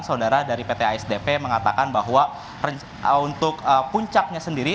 saudara dari pt asdp mengatakan bahwa untuk puncaknya sendiri